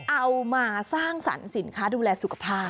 เอามาสร้างสรรค์สินค้าดูแลสุขภาพ